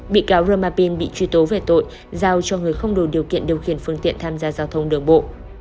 bị cáo roman pin bị truy tố về tội giao cho người không đủ điều kiện điều khiển phương tiện tham gia giao thông đường bộ